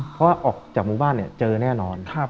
เพราะว่าออกจากหมู่บ้านเจอแน่นอน